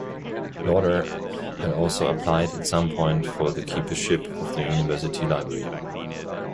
Lauder had also applied at some point for the keepership of the university library.